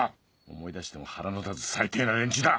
思い出しても腹の立つ最低な連中だ。